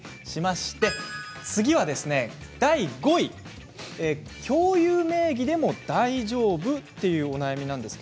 第５位共有名義でも大丈夫？というお悩みです。